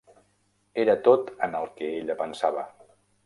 Era tot en el que ella pensava.